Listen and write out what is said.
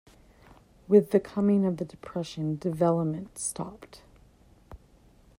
With the coming of the Depression, development stopped.